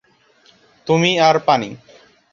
তুমি আর পানি।